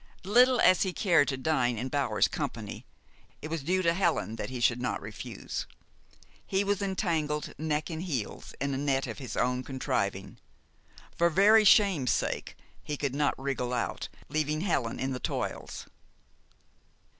Little as he cared to dine in Bower's company, it was due to Helen that he should not refuse. He was entangled neck and heels in a net of his own contriving. For very shame's sake, he could not wriggle out, leaving Helen in the toils.